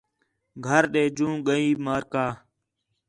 گھر ݙے جوں ڳئین مارکہ